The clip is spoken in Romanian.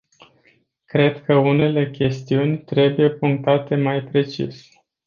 Cred că unele chestiuni trebuie punctate mai precis.